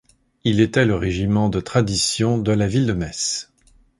Il était le régiment de tradition de la ville de Metz.